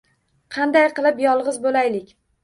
Qanday qilib yolg‘iz bo‘laylik!